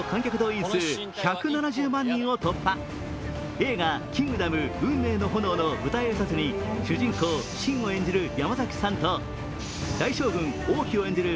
映画「キングダム運命の炎」の舞台挨拶に主人公・信を演じる山崎さんと大将軍・王騎を演じる